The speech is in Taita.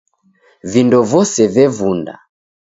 Vindo vose vevunda.